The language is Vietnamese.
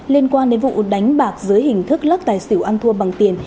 liên quan đến vụ đánh bạc dưới hình thức lắc tài xỉu ăn thua bằng tiền